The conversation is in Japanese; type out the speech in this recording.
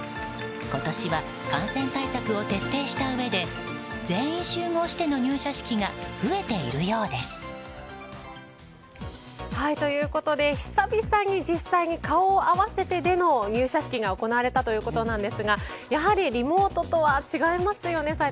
今年は感染対策を徹底したうえで全員集合しての入社式が増えているようです。ということで久々に実際に顔を合わせてでの入社式が行われたということなんですがやはりリモートとは違いますよね。